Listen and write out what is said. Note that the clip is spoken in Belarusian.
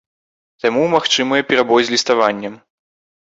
Таму магчымыя перабой з ліставаннем.